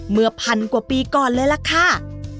เมื่อพันกว่าปีก่อนเลยล่ะค่ะ